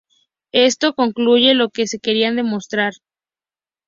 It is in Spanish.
Esto concluye lo que se quería demostrar.